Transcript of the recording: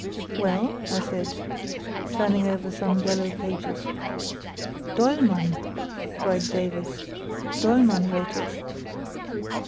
"Well?" I said, turning over some yellow pages. "Dollmann!" cried Davies. "Dollmann wrote it."